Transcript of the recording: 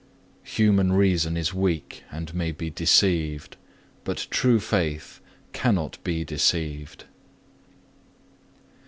Human reason is weak and may be deceived; but true faith cannot be deceived.